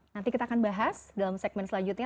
nanti kita akan bahas dalam segmen selanjutnya